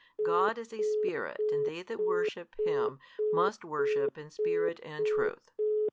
God is a Spirit and they that worship Him must worship in spirit and truth.